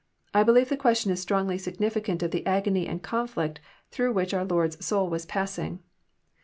I believe the question is strongly sig nificant of the agony and conflict through which our Lord's soul was passing.